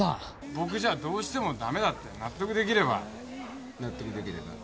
僕じゃどうしてもダメだって納得できれば納得できれば？